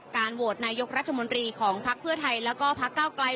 โหวตนายกรัฐมนตรีของพักเพื่อไทยแล้วก็พักเก้าไกล